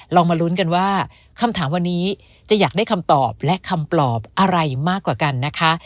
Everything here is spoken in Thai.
มาลุ้นกันว่าคำถามวันนี้จะอยากได้คำตอบและคำปลอบอะไรมากกว่ากันนะคะ